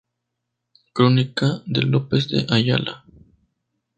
Crónica de López de Ayala